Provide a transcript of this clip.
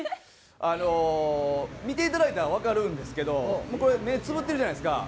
あの見ていただいたらわかるんですけどこれ目つぶってるじゃないですか。